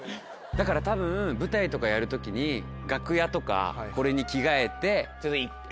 だからたぶん舞台とかやる時に楽屋とかこれに着替えて。